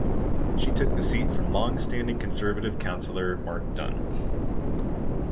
She took the seat from long-standing Conservative Councillor Mark Dunn.